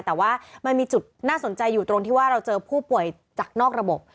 แต่ว่ามันมีจุดน่าสนใจอยู่ตรงที่ว่าเราเจอผู้ป่วยจากนอกระบบ